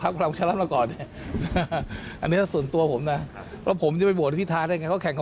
กำลังมาก่อนนะอันเนี้ยส่วนตัวผมนะเพราะผมจิดโหยเขาแข่ง